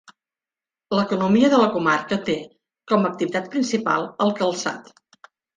L'economia de la comarca té com activitat principal el calçat.